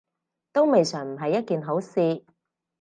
都未嘗唔係一件好事